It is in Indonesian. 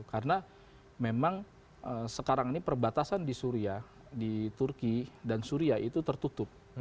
karena memang sekarang ini perbatasan di syria di turki dan syria itu tertutup